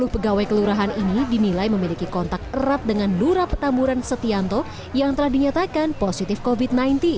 sepuluh pegawai kelurahan ini dinilai memiliki kontak erat dengan lura petamburan setianto yang telah dinyatakan positif covid sembilan belas